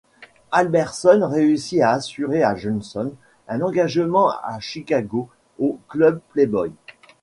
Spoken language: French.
Albertson réussit à assurer à Johnson un engagement à Chicago au club Playboy.